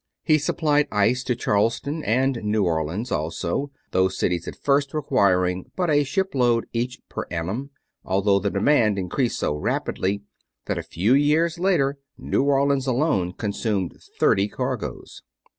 He supplied ice to Charleston and New Orleans also, those cities at first requiring but a ship load each per annum, although the demand increased so rapidly that a few years later New Orleans alone consumed thirty cargoes.